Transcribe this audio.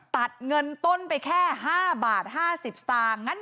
ตัดเงินต้นไปแค่๕บาท๕๐สตางค์